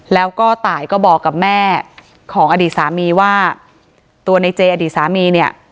แล้วก็ตายก็บอกกับแม่ของอดีตสามีว่าตัวในเจอดีตสามีเนี่ย